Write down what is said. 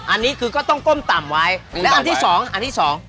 อันนี้คือก็ต้องก้มต่ำไว้และอันที่สองอันที่สอง